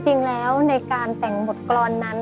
จริงแล้วในการแต่งบทกรรมนั้น